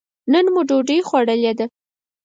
نن مو ډوډۍ خوړلې ده.